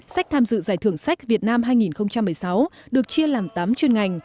sách tham dự giải thưởng sách việt nam hai nghìn một mươi sáu được chia làm tám chuyên ngành